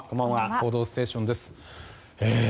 「報道ステーション」です。